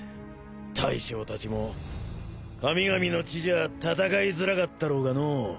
大将たちも神々の地じゃあ戦いづらかったろうがのう。